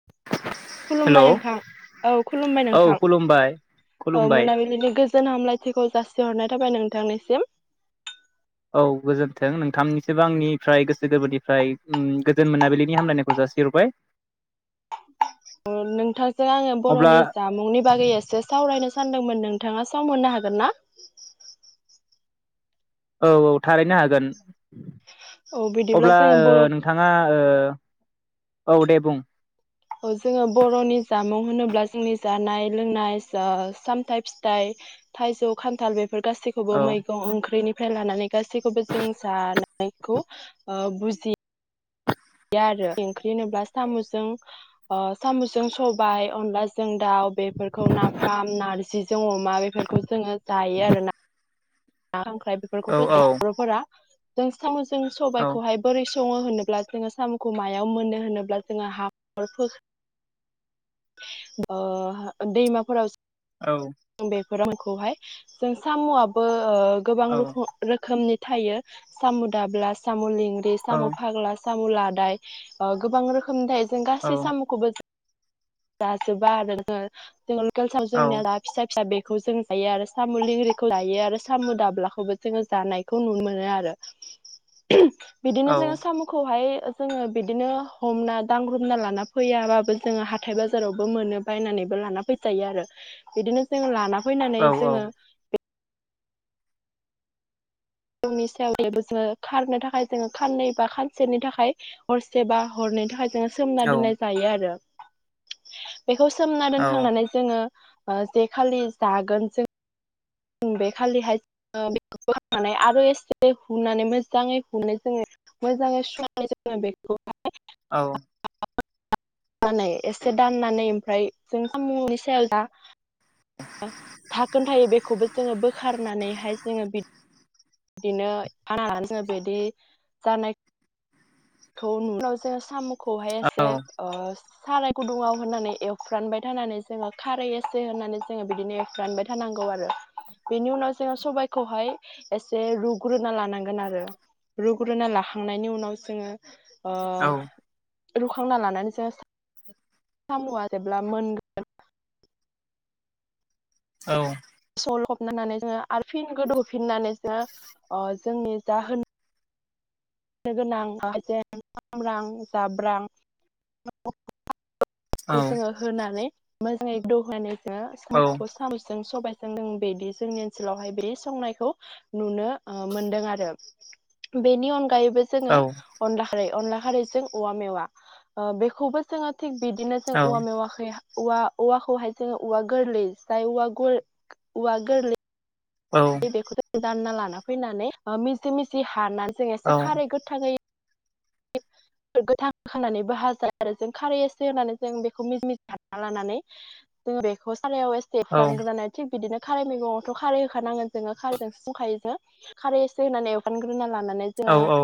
[inaudible] खुलुमबाय नोंथां औ खुलुमबाय औ नोंथां खुलुमबाय औ खुलुमबाय मोनाबिलिनि गो जोन हामलायथिखौ जासिहरनाय थाबाय नोंथांनिसिम औ गोजोन्थों नोंथांनिसोबो आंनिफ्राय गोसो गोरबोनिफ्राय गोजोन मोनाबिलिनि हामलायनायखौ जासिहरबाय [inaudible] नोंथांजों आङो अब्ला बर'नि जामुंनि बागै एसो सावरायनो सानदोंमोन नोंथाङा सम मोननो हागोन ना? औ औ थारैनो हागोन औ बिदिब्ला अब्ला जोङो बर' नोंथाङा औ दे बुं जोङो बर'नि जामुं होनोब्ला जोंनि जानाय लोंनाय सामथाइ फिथाइ थाइजौ खान्थाल बेफोर गासैखौबो औ मैगं ओंख्रिनिफ्राय लानानै गासैखौबो जों जानायखौ बुजि गैया आरो ओंख्रि होनोब्ला साम'जों सामुसजों सबायाइ अनलाजों दाउ बेफोरखौ नाफाम नारजिजों अमा बेफोरखौ जोङो जायो आरोना खांख्राय औ बेफोरखौथ' औ ज बर'फोरा जों साम'जों औ सबायाइखौहाय बोरै सङो होनोब्ला जोङो साम'खौ मायाव मोनो होनोब्ला जोङो हाखर बा दैमाफोराव औ बेफोरोमखौहाय जों साम'आबो गोबां औ रोखुम रोखोमनि थायो साम' दाब्ला साम' लंग्रि औ साम' फाग्ला साम' लाद गोबां रोखोमनिदाय जों औ गासै औ साम'खौबो जाजोबा आरो जोङो जोंस जोंनिया फिसा फिसा बेखौ जों जायो आरो साम' लेंग्रिखौ लायो आरो साम' दाब्लाखौबो जोङो जानाय खौ नुनो मोनो आरो [inaudible] बिदिनो जोङो साम'खौहाय जोङो बिदिनो हमना दांग्रोमना लाना फैयाबाबो जोङो हा हाथाइ बाजारावबो मोनो बायनानैबो लाना फैजायो आरो बिदिनो जोङ लाना फैनानै जोङो [unintelligible] सायाव जबो जोङो खारनो थाखाय जोङो खाननै बा खानसेेरनि थाखाय हरसेबा हरनै थाखाय जोङो सोमना दोननाय जायो आरो बेखौ सोमना औ दोनखांनानै जोङो ओ जे खालि जागोन जों बे खालिहाय [unintelligible] आरो एसे हुनानै मोजाङै हुनो जोङो मोजाङै सुनानै [unintelligible] [unintelligible] एसे दाननानै ओमफ्राय जों सामुनि सायाव दा घाखोन थायो बेखौबो जोङो बोखारनानैहाय जोङो बि बिदिनो खानानै जोङो बिदि जानाय खौ नु उनाव जोङो साम'खौहाय एसे ओ साराय गुदुङाव होननानै एवफ्रानबाय थानानै जोङो खारै एसे होननानै जोङो बिदिनो रानबाय थानांगौ आरो बेनि उनाव जोङो सबाइखौहाय एसे रुग्रोना लानांगोन आरो रुग्रोना लाखांनायनि उनाव जोङो ओ रुखांना लानानै जोङो समुआ जेब्ला मोनगो औ स'लखबनानै जोङो आर फिन गोदौफिननानैसो अ जोंनि जा होन होनो गोनां हाएजें सामब्राम जाब्रां खौ जोङो होनानै मोजाङै गोदौनानै जोङो सामखौ औ साबे जों सबबायजों जों बिदि जोंनि ओनसोलावहाय बे संनायखौ, नुनो मोनदों आरो बेनि अनगायैबो, जोंङो अनला खारै अनला खारैजों औवा मेवा बेखौबो जोंङो थिग बिदिनो जों औवा मेवाखै औवा-औवाखौहाय जोंङो औवा गोरलै जाय औवा-औवा गोरलै औ बेखौ जोंडों दानना लाना फैनानै मिजि-मिजि हानानै जो एसे खारै गोथाङै [inaudible] गोथां होखांनानैबो हाजायो आरो जों खारै एसे होनानै जों बेखौ मिजि-मिजि हाना लानानै, जों बेखौ सारायाव एसे एवफ्राम ग्रोनानै, थिग बिदिनो खारै मैगंआवथ' खारै होखानांगोन जोङो खारैजोंसो संखायो जों, खारै एसे होनानै एवफ्रानग्रोना लानानै जोङो औ औ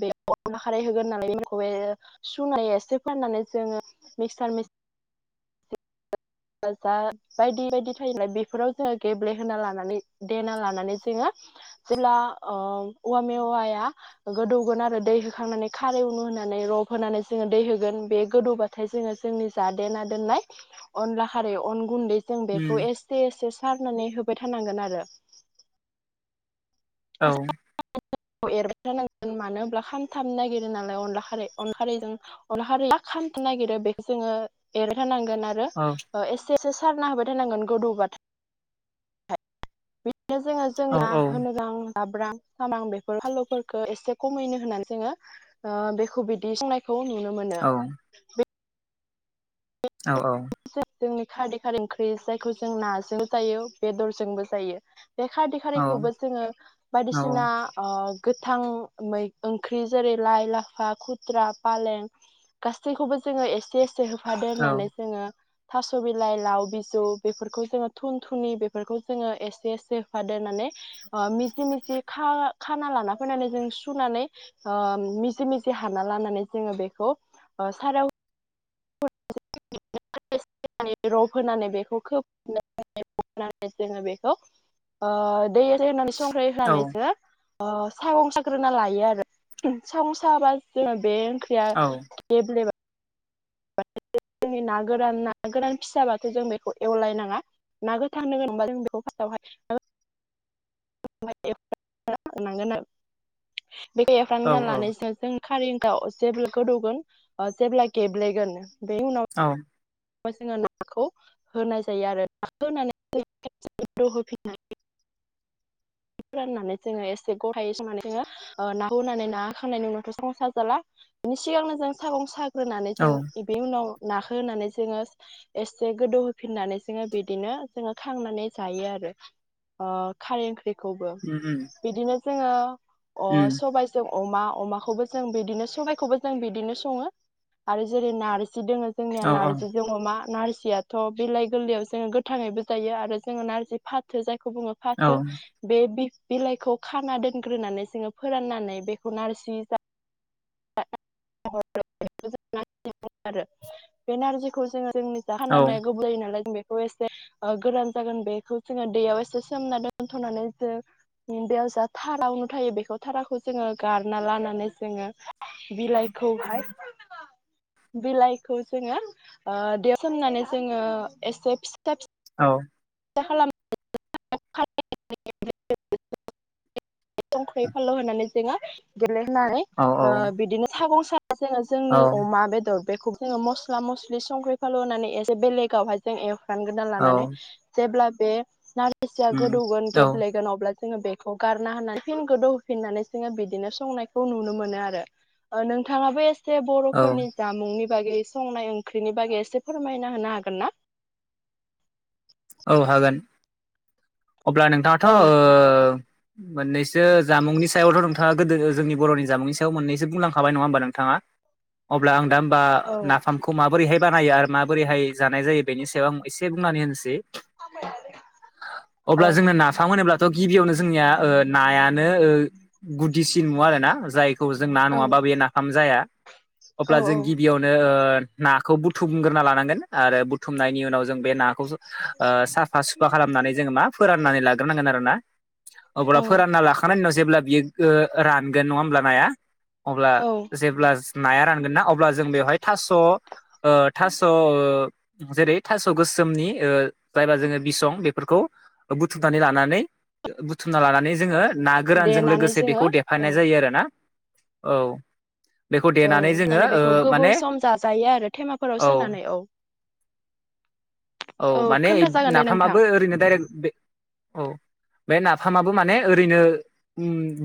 बे अनला खारै होगोन नालाय [unintelligible] सुनाय एसे फाननानै जोङो मिक्सार मि दा जा बायदि-बायदि थायोब्ला बेफोराव जोङो गेब्लेहोना लानानै देना लानानै जोङो। जेब्ला ओ औवा मेवाया गोदौगोन आरो दै होखांनानै खारै उनु होनानै रब होनानै जोंङो दै होगोन बे गोदौबा थाय जोङो जोंनि जादेना दोननाय, अनला खारै अन गुन्दैजों उम बेखौ एसे-एसे सारनानै होबाय थानांगोन आरो। औ एरबाय थानांगोन मानो होनोब्ला खामथाम नागिरो नालाय अनला खारै अनला खारैजों, अनला खारै मा खामनो नागिरो बेखौ जोंङो एरहोनांगोन आरो। आरो एसे एसे सारना होबाय थानांगोन गोदौबाथाय, बिदिनो जोङो औ जोंना औ होनो नां जाब्रां सामब्रां फानलुफोरखौ एसे खमैनो होनानै जोंङो ओ बेखौ बिदि संनाय खौ नुनो मोनो औ बे औ औ जोंनि खारदै खार ओंख्रि जायखौ जों नाजों जायो बेदरजोंबो जायो। बे खारदै औ खारैखौबो जोङो औ बायदिसिना ओ, गोथां मै ओंख्रि जेरै लाय-लाफा खुद्रा फालें गासैखौबो जोंङो एसे एसे औ होफादेरनानै जोंङो थास' बिलाइ लाव बिजौ बेफोरखौ जोङो थुन थुनि बेफोरखौ जोङो एसे एसे होफादेरनानै मिजि मिजि खाना लाना फैनानै जों सुनानै ओ मिजि मिजि हाबा लानानै जोङो बेखौ सारायाव [inaudible] [unintelligible] रफ होनानै बेखौ खोबनानै खोबनानै जोङो बेखौ ओ दै आरि होनानै संख्रै औ होनानैसो ओ सागं साग्रोना लायो आरो सागं साबा जोङो बे ओंख्रिया औ गेब्लेबा [inaudible] जोंनि ना गोरान ना गोरान फिसाबाथ' जों बेखौ एवलायनाङा ना गोथां होगोनबा जों बेखौ फास्टआवहाय [inaudible] नांगोन आरो बेखौ एफ्रामग्रोना औ लानायजो जों खारै गाव जेब्ला गोदौगोन ओ जेब्ला गेब्लेगोन बेनि उनाव औ जोङो नाखौ होनाय जायो आरो। नाखौ होनानै [inaudible] होफिनानै [inaudible] फोराननानै जोङो एसे गथायै संनानै जोङो ओ नाखौ होनानै ना होखांनायनि उनावथ' संसार जाला बिनि सिगांनो जों सागं साग्रोनानै औ जों बे उनाव नाखो होनानै जोङो एसे गोदौ होफिननानै जोङो बिदिनो जोङो खांनानै जायो आरो। ओ खारै ओंख्रिखौबो उम उम बिदिनो जोङो अ उम सबाय जों अमा अमाखौबो जों बिदिनो सबायखौबो जों बिदिनो सङो। आरो जेरै नारजि दोङो जोंनिया औ औ नारजि जों अमा, नारजियाथ' बिलाइ गोरलैयाव जोङो गोथाङैबो जायो आरो जोङो नारजि फाथो जायखौ बुङो औ फाथो बे बिलाइखौ खाना दोनग्रोनानै जोङो फोराननानै बेखौ नारजि जा [inaudible] आरो बे नारजिखौ जोङो जोंनि औ खानानै गुब्लेयो नालाय जों बे खौ एसे ओ गोरान जागोन बेखौ जोङो दैयाव एसे सोमना दोनथ'नानै जों बेयाव जा थारा उनु थायो बेखौ थाराखौ जोङो गारना लानानै जोङो बिलाइखौहाय बिलाइखौ जोङो ओ दैयाव सोमनानै जोङो एसे फिसा औ खालाम [inaudible] संख्रै फानलु होनानै जोङो गेलेहोनानै औ ओ बिदिनो सागं साना जोङो जोंनि अमा बेदर बेखौ जोङो मस्ला मस्लि संख्रि फानलु होननानै एसे बेलेगावहाय जों एवफ्रामगोरना औ लानानै जेब्ला बे नारजिया उम गोदौगोन औ गेब्ले गोन अब्ला जोङो बेखौ गारना होनानै फिन गोदौ होफिननानै जोङो बिदिनो संनायखौ नुनो मोनो आरो। ओ नोंथाङाबो ए एसे औ बर'फोरनि जामुंनि बागै संनाय ओंख्रिनि बागै एसे फोरमायना होनो हागोन ना? औ हागोन अब्ला नोंथाङाथ' औ ओ नों मोननैसो जामुंनि सायावथ' नोंथाङा गोदो जोंनि बर'नि जामुंनि सायाव मोननैसो बुंलांखाबाय नङा होनबा नोंथाङा। अब्ला आं दा होमबा औ नाफामखौ खौ माबोरैहाय बानायो आरो माबोरैहाय जानाय जायो बेनि सायाव आं एसे बुंनानै होनोसै [inaudible] औ अब्ला जोंनो नाफाम होनोब्लाथ' गिबियावनो जोंनिया ओ नायानो गुदिसिन मुवा आरोना, जायखौ जों ना नङाबा बे नाफाम जाया औ अब्ला जों गिबियावनो ओ नाखौ बुथुमग्रोना लानांगोन आरो बुथुमनायनि उनाव जों बे नाखौ ओ साफा सुफा खालामनानै जोङो मा फोराननानै लाग्रोनांगोन आरो ना, औ अब्ला फोरानना लाखानायनि उनाव जेब्ला बियो ओ रानगोन नङा ओमब्ला नाया अब्ला औ जेब्ला नाया रानगोन ना अब्ला जों बेवहाय थास' ओ थास' ओ जेरै थास' गोसोमनि ओ जायबा जोङो बिसं बेफोरखौ बुथुमनानै लानानै बुथुमना लानानै जोङो ना गोरानजों देनानै लोगोसे जोङो बेखौ औ देफानाय जायो आरो ना औ बेखौ औ देनानै जोङो माने ओ बेखौ माने गोबाव सम जाजायो आरो थेमाफोराव औ सोनानै औ औ माने खोन्था जागोन दे नोंथां नाफामाबो ओरैनो डाइरेक्ट बे औ बे नाफामाबो माने ओरैनो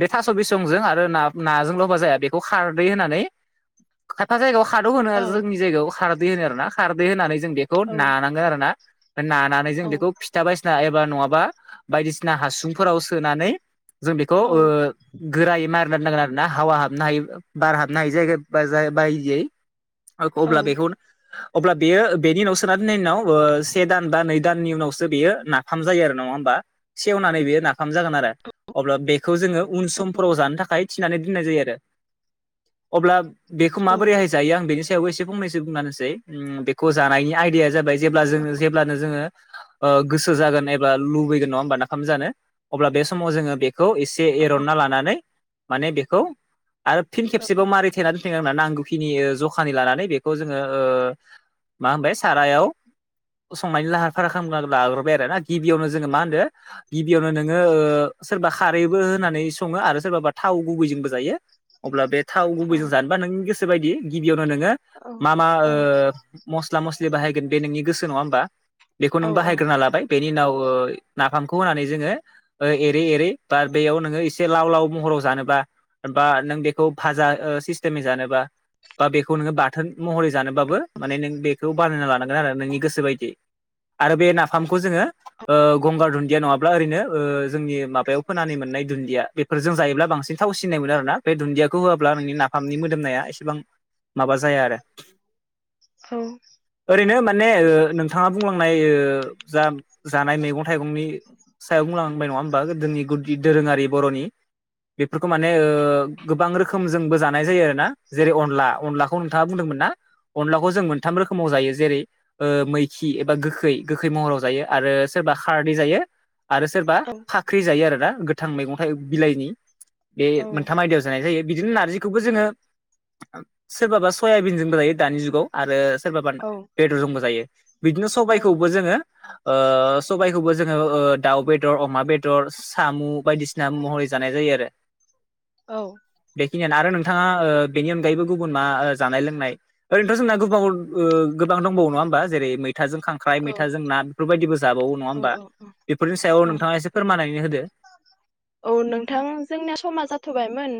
बे थास' बिसंजों आरो ना नाजों ल'बा जाया बेखौ खारदै होनानै खायफा जायगायाव खादौ होनो औ आरो जोंनि जायगायाव खारदै होनो आरोना खारदै होनानै जों बेखौ औ ना नांगोन आरो नानानै जों औ बेखौ फिथा बायसिना एबा नङाबा बायदिसिना हासुंफोराव सोनानै जों बेखौ औ ओ गोरायै मारिना दोननांगोन आरो ना हावा हाबनो हायो बार हाबनो हायो जाय बा जाय बायदियै औ अब्ला बेखौ अब्ला बेयो बेनि उनाव सोना दोननायनि उनाव ओ से दान बा नै दाननि उनावसो बेयो नाफाम जायो आरो नङा होमबा सेवनानै बेयो ना फाम जागोन आरो अब्ला बेखौ जोङो उन समफोराव जानो थाखाय थि नानै दोननाय जायो आरो अब्ला बेखौ औ माबोरैहाय जायो आं बेनि सायावबो एसे फंनैसो बुंनानै होसै बेखौ जानायनि आयदाया जाबाय जेब्ला जोङो जेब्लानो जोङो ओ गोसो जागोन एबा लुबैगोन नङा होमबा नाफाम जानो अब्ला बे समाव जोङो बे खौ एसे एर'ना लानानै माने बेखौ आरो फिन खेबसेबाव मारि थेनानै नानै नांगौखिनि जखानि लानानै बेखौ जोङो ओ मा होनबाय सारायाव संनायनि लाहार फाहार खालामग लाग्रोबाय आरो ना गिबियावनो जोङो मा होनदों गिबियावनो नोङो ओ सोरबा खारैबो होनानै सङो आरो सोरबा थाव गुबैजोंबो जायो। अब्ला बे थाव औ गुबैजों जानोबा नों गोसो बायदि गिबियावनो नोङो औ मा मा औ ओ मस्ला मस्लि बाहायगोन बे नोंनि गोसो नङा होमबा बेखौ नों औ बाहायग्रोना लाबाय बेनि उनाव नाफामखौ होनानै जोङो एरै एरै बा बेयाव नोङो एसे लाव लाव महराव जानोबा बा नों बेखौ भाजा ओ सिस्टेमै जानोबा बा बेखौ नोङो बाथोन महरै जानोबाबो माने नों बेखौ बानायना लानांगोन आरो नोंनि गोसो बायदि आरो बे नाफामखौ जोङो ओ गंगार दुन्दिया नङाब्ला ओरैनो ओ जोंनि माबायाव फोनानै मोननाय दुन्दिया बे फोरजों जायोब्ला बांसिन थाव सिननाय मोनो आरोना बे दुन्दियाखौ होआब्ला नोंनि नाफामनि मोदोमनाया एसेबां माबा जाया आरो ओरैनो माने ने ओ नोंथाङा बुंलांनाय ओ जा जानाय मैगं थाइगंनि सायाव बुंलांबाय नङा होमबा गोदोनि गुद दोरोङारि बर'नि बेफोरखौ माने ओ गोबां रोखोम जोंबो जा नाय जायो आरोना जेरै अनला अनलाखौ नोंथाङा बुंदोंमोन ना अनलाखौ जों मोनथाम रोखोमाव जायो जेरै ओ मैखि एबा गोखै गोखै महराव जायो आरो सोरबा खारदै जायो। आरो सोरबा फाख्रि जायो आरोना गोथां मैगं थाइ बिलाइनि बे मोनथाम आयदायाव नाय जायो बिदिनो नारजिखौबो जोङो सोरबाबा सयाबिनजोंबो जायो दानि जुगाव आरो सोरबाबा बेदर जुमबो जायो बिदिनो सबायखौबो जोङो ओ सबाइखौबो जोङो दाउ बेदर अमा बेदर साम' बायदिसिना महरै जानाय जायो आरो औ बेखिनियानो आरो नोंथाङा ओ बेनि अनगायैबो गुबुन मा ओ जानाय लोंनाय ओरैनोथ' जोंना गोबाव ओ गोबां दंबावो नङा होमबा जेरै मैथाजों खां ख्राइ औ मैथा जों ना बेफोरबायदिबो जाबावो नङा ओमबा औ बेफोरनि सायाव औ नोंथाङा एसे फोरमायनानै होदो। औ नोंथां जोंनिया समा जाथ'बायमोन।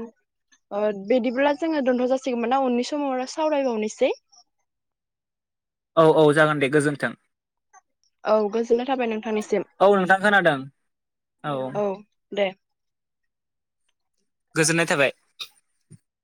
ओ बिदिब्ला जोङो दोनथ' जासिगोमोनना उननि समाव आरो सावरायबावनिसै। औ औ जागोन दे गोजोन्थों औ गोजोननाय थाबाय नोंथांनिसिम औ नोंथां खोनादों औ औ दे गोजोननाय थाबाय।